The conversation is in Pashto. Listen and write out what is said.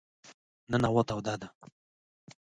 نن هوا توده ده.